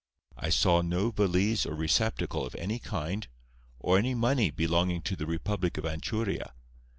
I saw no valise or receptacle of any kind, or any money belonging to the Republic of Anchuria.